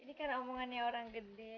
ini kan omongannya orang gede aja